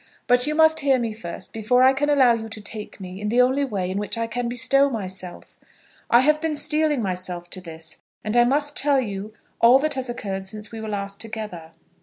"But you must hear me first, before I can allow you to take me in the only way in which I can bestow myself. I have been steeling myself to this, and I must tell you all that has occurred since we were last together."